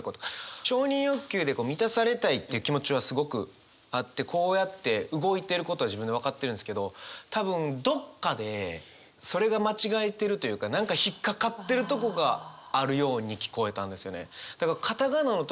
承認欲求で満たされたいっていう気持ちはすごくあってこうやって動いてることは自分で分かってるんですけど多分どっかでそれが間違えてるというか何か引っ掛かってるとこがあるように聞こえたんですよね。